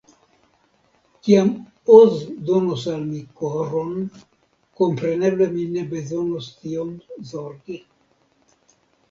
Kiam Oz donos al mi koron, kompreneble mi ne bezonos tiom zorgi.